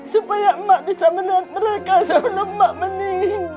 semoga mak bisa melihat mereka sebelum mak meninggal dede